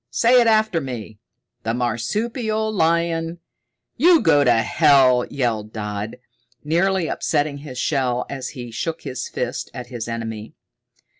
Say it after me: 'The marsupial lion '" "You go to hell!" yelled Dodd, nearly upsetting his shell as he shook his fist at his enemy.